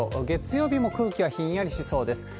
月曜日も空気がひんやりしそうです。